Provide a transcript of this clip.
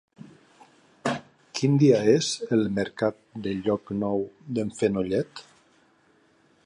Quin dia és el mercat de Llocnou d'en Fenollet?